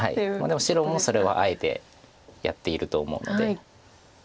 でも白もそれをあえてやっていると思うので。